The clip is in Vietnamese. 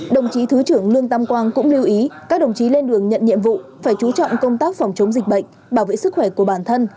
đồng chí thứ trưởng lương tam quang cũng lưu ý các đồng chí lên đường nhận nhiệm vụ phải chú trọng công tác phòng chống dịch bệnh bảo vệ sức khỏe của bản thân